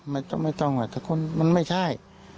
มันไม่ต้องแต่คนมันไม่ใช่